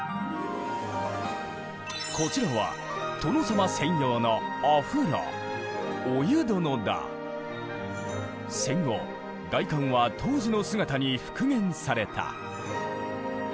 こちらは殿様専用のお風呂戦後外観は当時の姿に復元された。